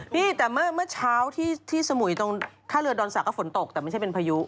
นี่แต่เมื่อเช้าที่สมุยตรงท่าเรือดอนศักดิก็ฝนตกแต่ไม่ใช่เป็นพายุ